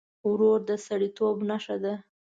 ورور د سړيتوب نښه ده.